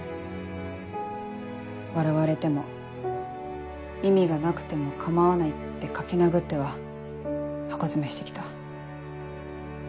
笑われても意味がなくても構わないって書き殴っては箱詰めして来た。